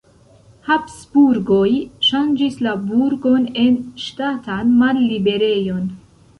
Habsburgoj ŝanĝis la burgon en ŝtatan malliberejon.